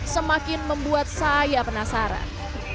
semakin membuat saya penasaran